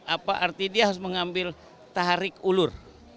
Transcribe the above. apa artinya dia harus mengambil tarik ulur